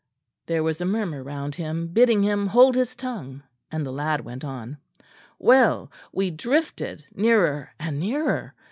There was a murmur round him, bidding him hold his tongue; and the lad went on. "Well, we drifted nearer and nearer.